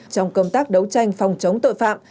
trong công tác đấu tranh phòng chống tội phạm